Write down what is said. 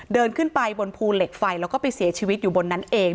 เดินขึ้นไปบนภูเหล็กไฟแล้วก็ไปเสียชีวิตอยู่บนนั้นเอง